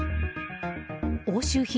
押収品